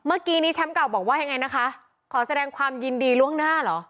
เมื่อกี้นี้แชมป์เก่าบอกว่ายังไงนะคะขอแสดงความยินดีล่วงหน้าเหรอ